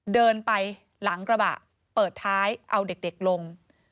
เดินไปหลังกระบะเปิดท้ายเอาเด็กลง